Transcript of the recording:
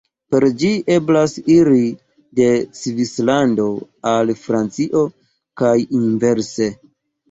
Per ĝi eblas iri de Svislando al Francio kaj inverse.